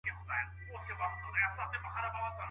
کوژده بې شېرینۍ نه کېږي.